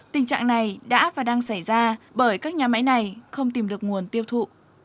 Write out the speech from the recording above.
tình trạng này đã và đang xảy ra bởi các nhà máy này không tìm được nguồn tiêu thụ